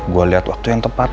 gue lihat waktu yang tepat